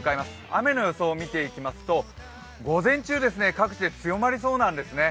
雨の予想を見ていきますと午前中、各地で強まりそうなんですね。